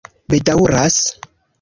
bedaŭras